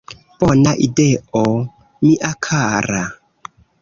Bona ideo, mia kara!